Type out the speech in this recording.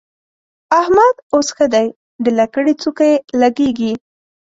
احمد اوس ښه دی؛ د لکړې څوکه يې لګېږي.